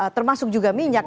termasuk juga minyak